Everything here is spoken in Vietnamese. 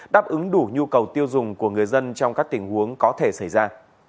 đáp ứng đủ nhu cầu tiêu dùng của người dân trong các tình huống có thể xảy ra